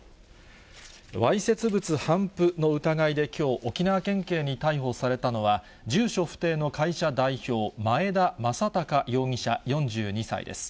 わいせつ物頒布の疑いできょう、沖縄県警に逮捕されたのは、住所不定の会社代表、前田真孝容疑者４２歳です。